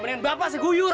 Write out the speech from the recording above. menin bapak seguyur